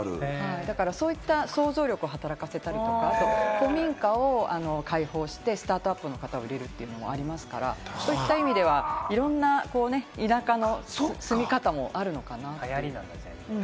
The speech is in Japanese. そういった想像力を働かせると古民家を開放して、スタートアップの方、おりるとかありますから、そういった意味では、いろんな田舎の住み方もあるのかなって。